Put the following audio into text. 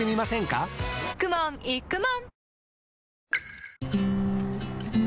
かくもんいくもん